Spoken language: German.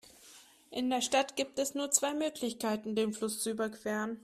In der Stadt gibt es nur zwei Möglichkeiten, den Fluss zu überqueren.